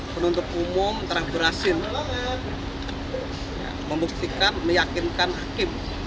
penuntuk umum terhubung berhasil membuktikan meyakinkan hakim